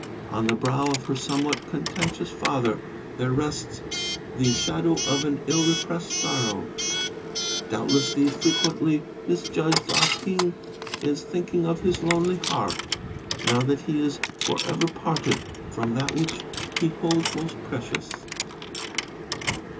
On the brow of her somewhat contentious father there rests the shadow of an ill repressed sorrow; Doubtless the frequently misjudged Ah Ping is thinking of his lonely hearth, now that he is for ever parted from that which he holds most precious.